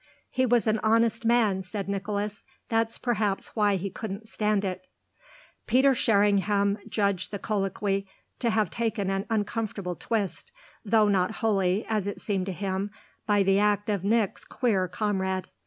"He was an honest man," said Nicholas. "That's perhaps why he couldn't stand it." Peter Sherringham judged the colloquy to have taken an uncomfortable twist, though not wholly, as it seemed to him, by the act of Nick's queer comrade.